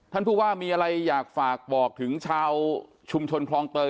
ท่านผู้ว่ามีอะไรอยากฝากบอกถึงชาวชุมชนคลองเตย